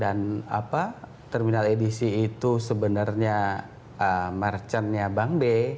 dan apa terminal edisi itu sebenarnya merchantnya bank b